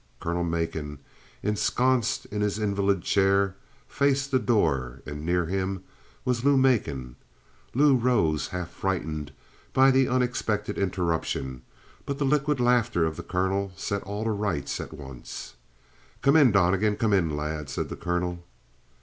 Colonel Macon, ensconced in his invalid chair, faced the door, and near him was Lou Macon. Lou rose, half frightened by the unexpected interruption, but the liquid laughter of the colonel set all to rights at once. "Come in, Donnegan. Come in, lad," said the colonel.